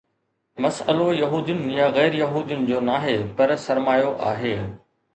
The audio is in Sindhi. مسئلو يهودين يا غير يهودين جو ناهي، پر سرمايو آهي.